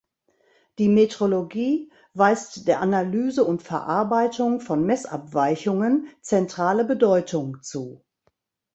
Die Metrologie weist der Analyse und Verarbeitung von Messabweichungen zentrale Bedeutung zu.